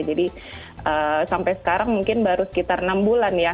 sampai sekarang mungkin baru sekitar enam bulan ya